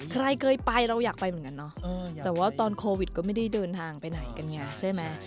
ใครเคยไปเราอยากไปเหมือนกันเนาะแต่ว่าตอนโควิดก็ไม่ได้เดินทางไปไหนกันไงใช่ไหม